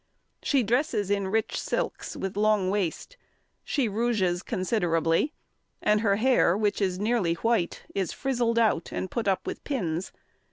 She dresses in rich silks, with long waist; she rouges considerably, and her hair, which is nearly white, is frizzled out, and put up with pins.